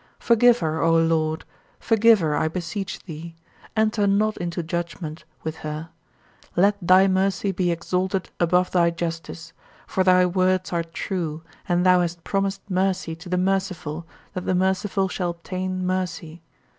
Forgive her, O Lord, forgive her, I beseech thee; "enter not into judgment" with her. Let thy mercy be exalted above thy justice, for thy words are true and thou hast promised mercy to the merciful, that the merciful shall obtain mercy.